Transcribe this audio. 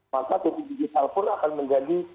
maka tv digital pun akan menjadi